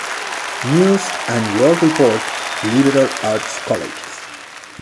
News and World Report liberal arts colleges.